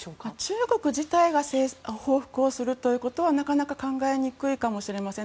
中国自体は報復をするということはなかなか考えにくいかもしれません。